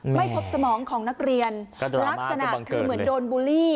ไม่พบสมองของนักเรียนลักษณะคือเหมือนโดนบูลลี่